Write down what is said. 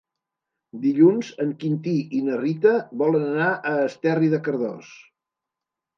Dilluns en Quintí i na Rita volen anar a Esterri de Cardós.